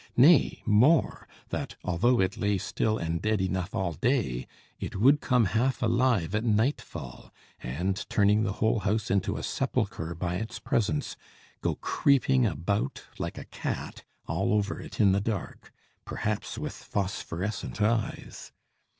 nay more, that, although it lay still and dead enough all day, it would come half alive at nightfall, and, turning the whole house into a sepulchre by its presence, go creeping about like a cat all over it in the dark perhaps with phosphorescent eyes?